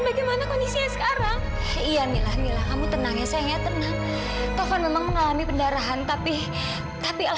dil lu udah sadar dil